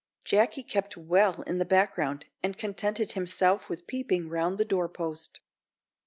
Jacky kept well in the background, and contented himself with peeping round the door post.